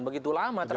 begitu lama terasa